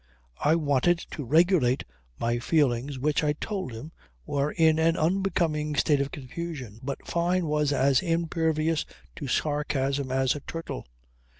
I wanted to regulate my feelings which, I told him, were in an unbecoming state of confusion. But Fyne was as impervious to sarcasm as a turtle.